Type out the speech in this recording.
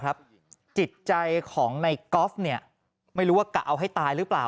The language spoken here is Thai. ครับจิตใจของในก๊อฟเนี่ยไม่รู้ว่ากะเอาให้ตายหรือเปล่า